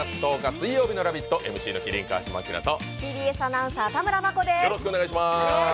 水曜日のラビットＭＣの麒麟・川島明とＴＢＳアナウンサー田村真子です。